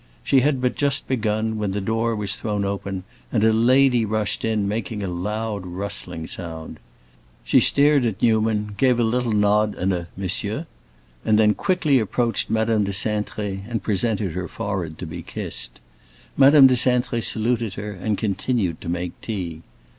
She had but just begun when the door was thrown open and a lady rushed in, making a loud rustling sound. She stared at Newman, gave a little nod and a "Monsieur!" and then quickly approached Madame de Cintré and presented her forehead to be kissed. Madame de Cintré saluted her, and continued to make tea.